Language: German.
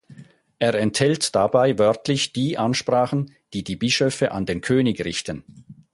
Er enthält dabei wörtlich die Ansprachen, die die Bischöfe an den König richten.